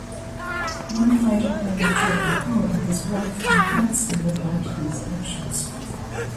One night upon returning home, his wife confronts him about these actions.